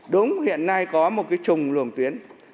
đúng hiện nay có một cái trùng luồng tuyến